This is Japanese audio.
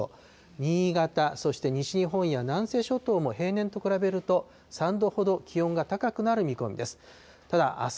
新潟、そして西日本や南西諸島も、平年と比べると３度ほど気温が高くなる見込みです。